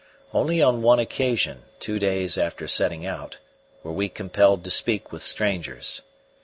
Only on one occasion, two days after setting out, were we compelled to speak with strangers.